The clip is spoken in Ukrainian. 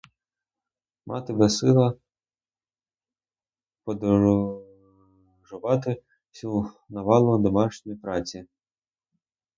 Мати безсила подужати всю навалу домашньої праці.